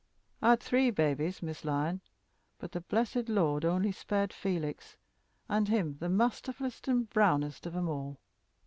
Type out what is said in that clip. I'd three babies, Miss Lyon, but the blessed Lord only spared Felix, and him the masterfulest and brownest of 'em all.